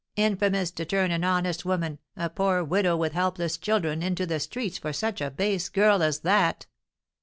"Infamous to turn an honest woman, a poor widow with helpless children, into the streets for such a base girl as that!"